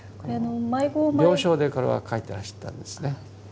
病床でこれは描いてらしたんですね。